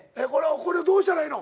これどうしたらええの？